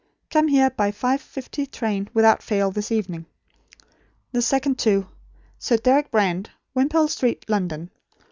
"Come here by 5.50 train without fail this evening." The second to Sir Deryck Brand, Wimpole Sheet, London.